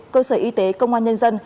cơ sở y tế công an nhân dân